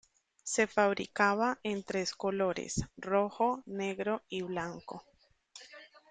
Se fabricaba en tres colores, rojo, negro y blanco.